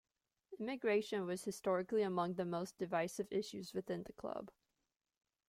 Immigration was historically among the most divisive issues within the club.